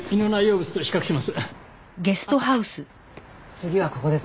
次はここですね。